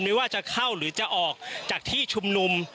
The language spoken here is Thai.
ไม่ว่าจะเข้าหรือจะออกจากที่ชุมนุม